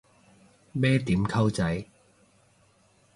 咩點溝仔